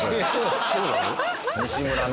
そうなの？